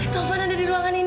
taufan ada di ruangan ini